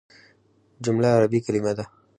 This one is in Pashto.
جمله عربي کليمه ده.